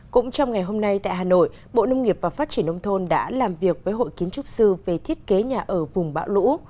cũng trong ngày hôm nay tại hà nội bộ nông nghiệp và phát triển nông thôn đã làm việc với hội kiến trúc sư về thiết kế nhà ở vùng bão lũ